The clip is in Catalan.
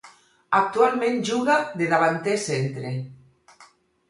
Actualment juga de davanter centre.